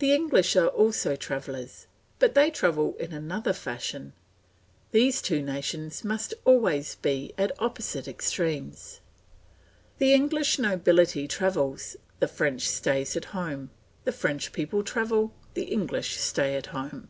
The English are also travellers, but they travel in another fashion; these two nations must always be at opposite extremes. The English nobility travels, the French stays at home; the French people travel, the English stay at home.